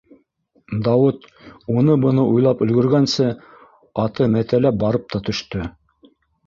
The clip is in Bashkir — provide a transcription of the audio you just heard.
Дауыт уны-быны уйлап өлгөргәнсе, аты мәтәләп барып та төштө.